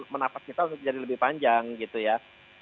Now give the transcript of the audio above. menapas kita jadi lebih panjang gitu ya